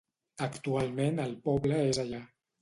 Actualment el poble és allà.